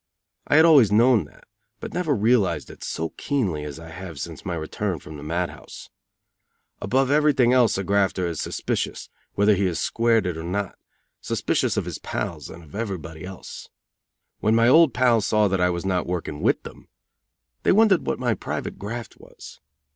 I had always known that, but never realized it so keenly as I have since my return from the mad house. Above everything else a grafter is suspicious, whether he has squared it or not suspicious of his pals and of everybody else. When my old pals saw that I was not working with them, they wondered what my private graft was.